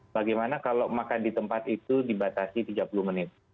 bagaimana kalau makan di tempat itu dibatasi tiga puluh menit